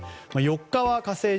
４日は「火星１２」